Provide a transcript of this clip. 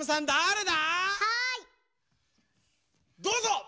どうぞ！